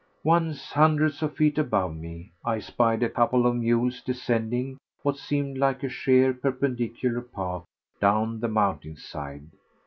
Once—hundreds of feet above me—I spied a couple of mules descending what seemed like a sheer perpendicular path down the mountain side.